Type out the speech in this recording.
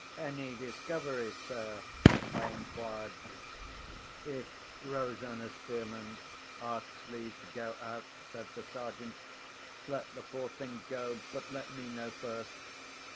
"Any discoveries, sir?" I inquired. "If Rosanna Spearman asks leave to go out," said the Sergeant, "let the poor thing go; but let me know first."